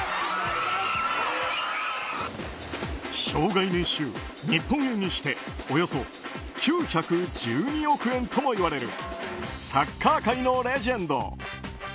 生涯年収、日本円にしておよそ９１２億円ともいわれるサッカー界のレジェンド。